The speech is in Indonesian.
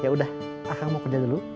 yaudah aku mau kerja dulu